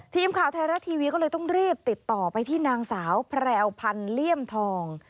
ทีมข่าวไทยรัฐทีวีก็เลยต้องรีบติดต่อไปที่นางสาวแพรวพันธ์เลี่ยมทอง